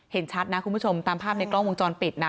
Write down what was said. เห็นชัดนะคุณผู้ชมตามภาพในกล้องวงจรปิดนะ